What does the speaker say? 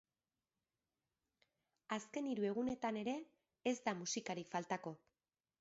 Azken hiru egunetan ere ez da musikarik faltako.